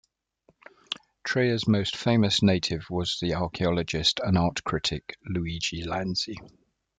Treia's most famous native was the archaeologist and art critic Luigi Lanzi.